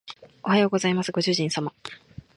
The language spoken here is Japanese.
おはようございますご主人様